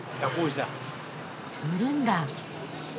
売るんだ。